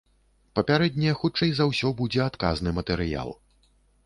Папярэдне, хутчэй за ўсё, будзе адказны матэрыял.